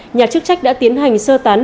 nhà chức trách đã tiến hành sơ tán